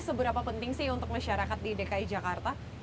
seberapa penting sih untuk masyarakat di dki jakarta